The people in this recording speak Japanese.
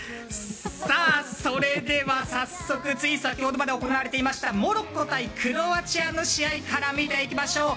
さあ、それでは早速つい先ほどまで行われていましたモロッコ対クロアチアの試合から見ていきましょう。